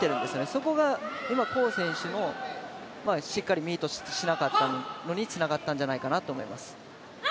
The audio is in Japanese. そこが黄選手にしっかりミートしなかったのにつながったんじゃないかなと思います。